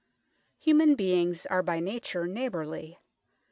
Human beings are by nature neighbourly.